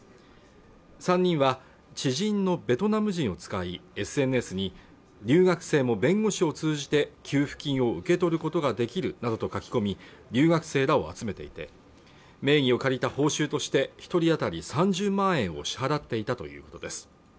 ３人は知人のベトナム人を使いＳＮＳに留学生も弁護士を通じて給付金を受け取ることができるなどと書き込み留学生らを集めていて名義を借りた報酬として一人当たり３０万円を支払っていたということです